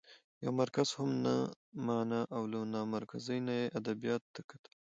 يو مرکز هم نه مانه او له نامرکزۍ نه يې ادبياتو ته کتل؛